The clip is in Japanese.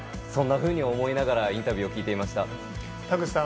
そんなふうに思いながらインタビューを聞いていました。